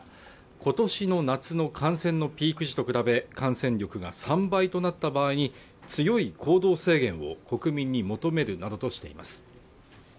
今年の夏の感染のピーク時と比べ感染力が３倍となった場合に強い行動制限を国民に求めるなどとしています